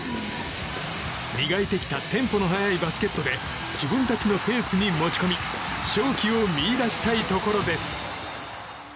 磨いてきたテンポの速いバスケットで自分たちのペースに持ち込み勝機を見出したいところです。